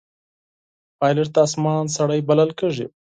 پیلوټ د آسمان سړی بلل کېږي.